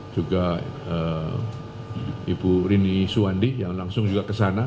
juga ibu rini suwandi yang langsung juga ke sana